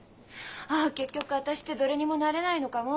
「あ結局私ってどれにもなれないのかも」